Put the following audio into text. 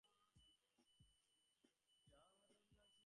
বাঁকা-কঞ্চি অপুর জীবনে এক অদ্ভুত জিনিস!